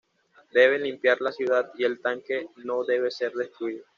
Deben limpiar la ciudad y el tanque no debe ser destruido.